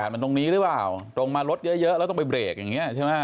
มันตรงนี้หรือเปล่าตรงมารถเยอะแล้วต้องไปเบรกอย่างนี้ใช่ไหม